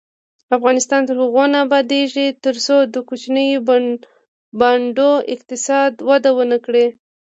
افغانستان تر هغو نه ابادیږي، ترڅو د کوچنیو بانډو اقتصاد وده ونه کړي.